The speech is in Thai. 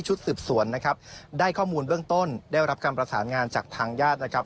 ก็อยู่สวนนะครับได้ข้อมูลเบืร์ต้นเนื่องจากการประสานงานจากทางยาธินะครับ